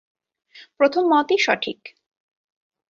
প্রথম মতই সঠিক।